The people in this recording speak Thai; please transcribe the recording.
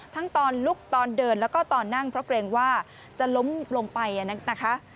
ตอนลุกตอนเดินแล้วก็ตอนนั่งเพราะเกรงว่าจะล้มลงไปนะคะ